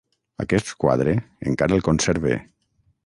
Aquest quadre encara el conserve.